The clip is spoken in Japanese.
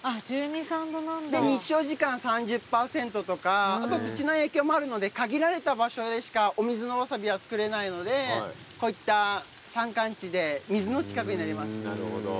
で日照時間３０％とかあと土の影響もあるので限られた場所でしかお水のワサビは作れないのでこういった山間地で水の近くになります。